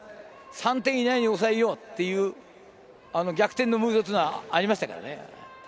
３点以内に抑えようという逆転のムードはありましたからね。